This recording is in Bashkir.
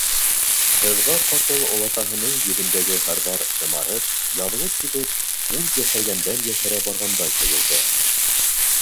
Ҡыҙға ҡапыл олатаһының йөҙөндәге һырҙар шымарып, яҙылып китеп ул йәшәргәндән-йәшәрә барғандай тойолдо.